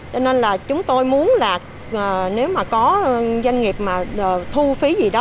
cho nên là chúng tôi muốn là nếu mà có doanh nghiệp mà thu phí gì đó